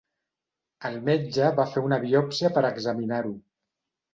El metge va fer una biòpsia per examinar-ho.